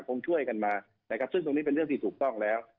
คงช่วยกันมานะครับซึ่งตรงนี้เป็นเรื่องที่ถูกต้องแล้ว